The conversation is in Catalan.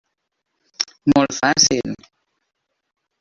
Molt fàcil.